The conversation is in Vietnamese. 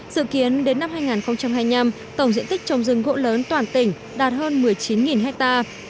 dự kiến đến năm hai nghìn hai mươi năm tổng diện tích trồng rừng gỗ lớn toàn tỉnh đạt hơn một mươi chín hectare